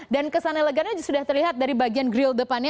dan kesan elegannya sudah terlihat dari bagian grill depannya